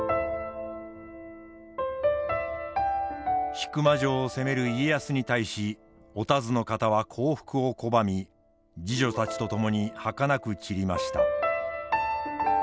引間城を攻める家康に対しお田鶴の方は降伏を拒み侍女たちと共にはかなく散りました。